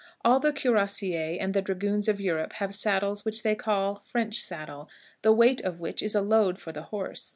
All the cuirassiers and the dragoons of Europe have saddles which they call French saddle, the weight of which is a load for the horse.